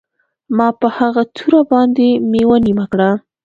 ما په هغه توره باندې میوه نیمه کړه